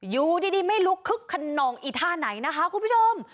อยู่ดีไม่ลุกคึกขนองอีท่าไหนนะคะคุณผู้ชม